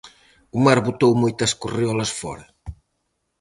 O mar botou moitas correolas fóra.